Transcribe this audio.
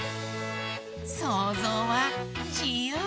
そうぞうはじゆうだ！